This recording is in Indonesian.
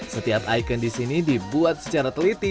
setiap ikon disini dibuat secara teliti